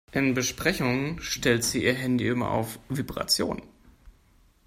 In Besprechungen stellt sie ihr Handy immer auf Vibration.